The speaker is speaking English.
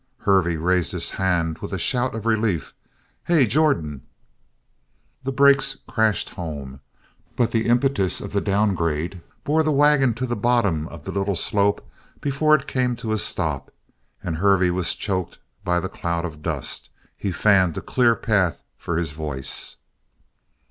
Hervey raised his hand with a shout of relief: "Hey, Jordan!" The brakes crashed home, but the impetus of the downgrade bore the wagon to the bottom of the little slope before it came to a stop and Hervey was choked by the cloud of dust. He fanned a clear path for his voice.